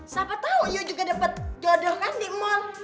siapa tau ayu juga dapet jodoh kan di mall